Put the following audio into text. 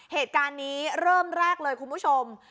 เหตุการณ์นี้เริ่มแรกเลยคุณผู้ชม